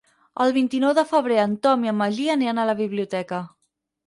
El vint-i-nou de febrer en Tom i en Magí aniran a la biblioteca.